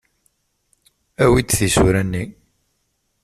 Awi-d tisura-nni.